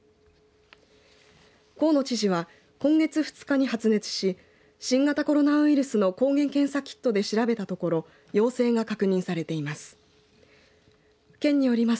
河野知事は今月２日に発熱し新型コロナウイルスの抗原検査キットで調べたところ陽性が確認されています。